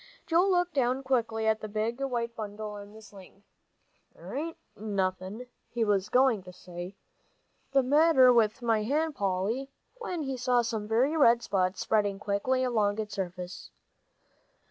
Joel looked down quickly at the big white bundle in the sling. "There ain't nothin' " He was going to say, "the matter with my hand, Polly," when he saw some very red spots spreading quickly along its surface.